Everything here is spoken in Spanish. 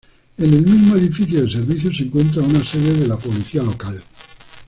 En el mismo edificio de servicios se encuentra una sede de la Policía Local.